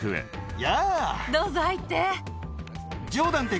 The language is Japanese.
どうぞ入って。